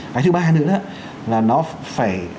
cái thứ ba nữa là nó phải